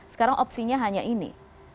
sekarang opsinya hanya ini